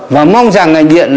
và mong rằng là điện